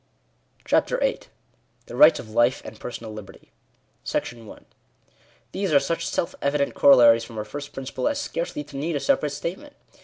Digitized by VjOOQIC CHAPTER VIII. THE BIGHTS OF LIFE AND PERSONAL LIBERTY. § I These are such self evident corollaries from our first principle as scarcely to need a separate statement.